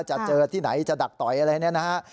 จะเจอที่ไหนจะดักต่อยอะไรเนี่ยนะฮะ